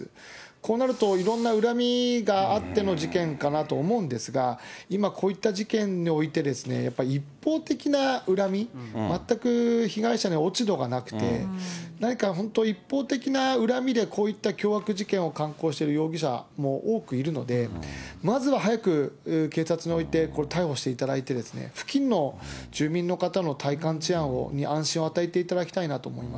こうなると、いろんな恨みがあっての事件かなと思うんですが、今、こういった事件において、やっぱり一方的な恨み、全く被害者に落ち度がなくて、何か本当、一方的な恨みでこういった凶悪事件を敢行している容疑者も多くいるので、まずは早く警察において、これ、逮捕していただいて、付近の住民の方の体感治安に安心を与えていただきたいなと思いま